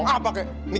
mikirin apa tentang aku